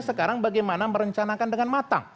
sekarang bagaimana merencanakan dengan matang